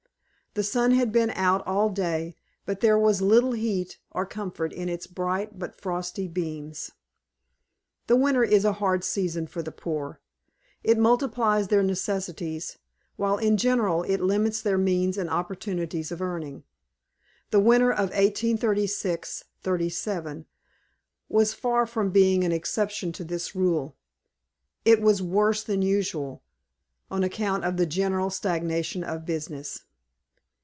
The sun had been out all day, but there was little heat or comfort in its bright, but frosty beams. The winter is a hard season for the poor. It multiplies their necessities, while, in general, it limits their means and opportunities of earning. The winter of 1836 37 was far from being an exception to this rule. It was worse than usual, on account of the general stagnation of business.